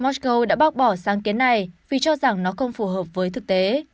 mosco đã bác bỏ sáng kiến này vì cho rằng nó không phù hợp với thực tế